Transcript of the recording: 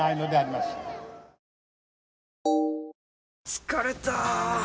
疲れた！